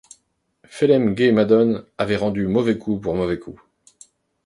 Phelem-ghe-madone avait rendu mauvais coup pour mauvais coup